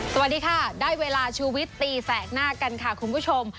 สวัสดีค่ะได้เวลาชูวิตตีแสกหน้ากันค่ะคุณผู้ชม